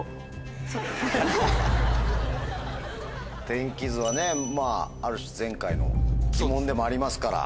天気図はねまぁある種前回の鬼門でもありますから。